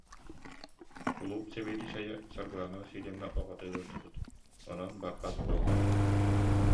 Кулууп сэбиэдиссэйэ Саргылаана Васильевна оҕото ыалдьыбыт, онон барбат буолла